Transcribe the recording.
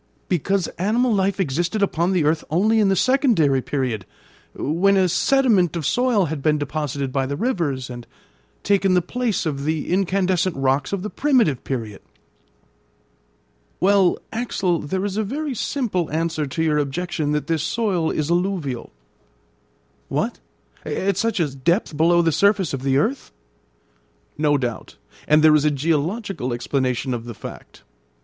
"Because animal life existed upon the earth only in the secondary period, when a sediment of soil had been deposited by the rivers, and taken the place of the incandescent rocks of the primitive period." "Well, Axel, there is a very simple answer to your objection that this soil is alluvial." "What! at such a depth below the surface of the earth?" "No doubt; and there is a geological explanation of the fact.